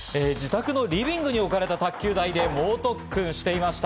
自宅のリビングに置かれた卓球台で猛特訓していました。